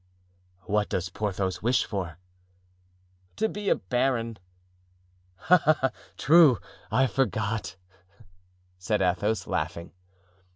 "What does Porthos wish for?" "To be a baron." "Ah, true! I forgot," said Athos, laughing.